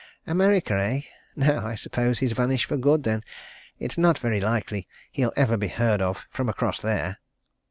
America eh? Now I suppose he's vanished for good, then it's not very likely he'll ever be heard of from across there."